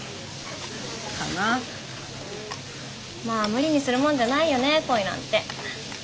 まあ無理にするもんじゃないよね恋なんて。